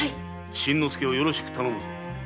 伸之介をよろしく頼むぞ。